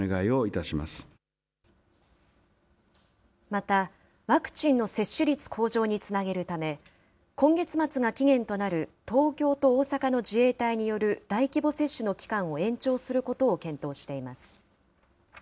また、ワクチンの接種率向上につなげるため、今月末が期限となる東京と大阪の自衛隊による大規模接種の期間を延長することを検討しています。